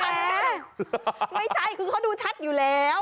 ไม่ใช่คือเขาดูชัดอยู่แล้ว